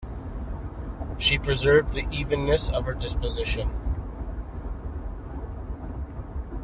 She preserved the evenness of her disposition..